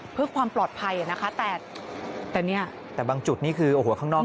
เพื่อความปลอดภัยนะคะแต่แต่เนี่ยแต่บางจุดนี่คือโอ้โหข้างนอก